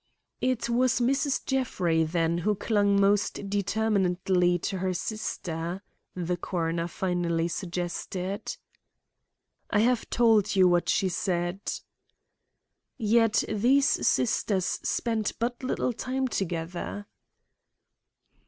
"It was Mrs. Jeffrey, then, who clung most determinedly to her sister?" the coroner finally suggested. "I have told you what she said." "Yet these sisters spent but little time together?"